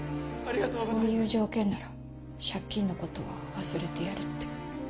そういう条件なら借金の事は忘れてやるって。